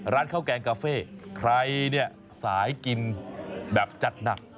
ร้านข้าวแกงกาเฟ่ใครเนี่ยสายกินแบบจัดหนัก